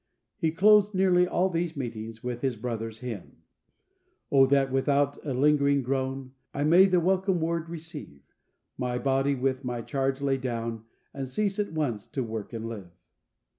He closed nearly all these meetings with his brother's hymn: "O that without a lingering groan, I may the welcome Word receive; My body with my charge lay down, And cease at once to work and live."